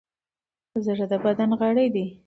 زړه د بدن غړی دی.